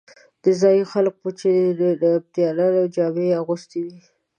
دا ځايي خلک وو چې د نبطیانو جامې یې اغوستې وې.